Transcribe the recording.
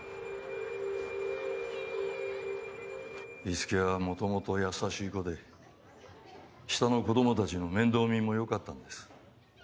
樹は元々優しい子で下の子供たちの面倒見もよかったんです。